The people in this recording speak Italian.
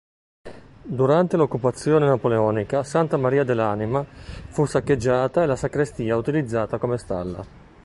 Durante l'occupazione napoleonica Santa Maria dell'Anima fu saccheggiata e la sacrestia utilizzata come stalla.